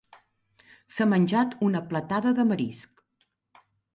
S'ha menjat una platada de marisc.